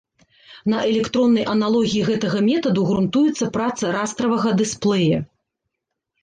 На электроннай аналогіі гэтага метаду грунтуецца праца растравага дысплея.